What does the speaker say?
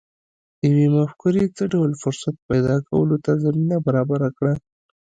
یوې مفکورې څه ډول فرصت پیدا کولو ته زمینه برابره کړه